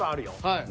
はい。